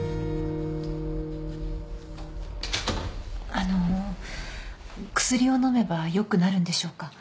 あの薬を飲めば良くなるんでしょうか。